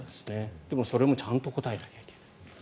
でもそれもちゃんと答えなきゃいけない。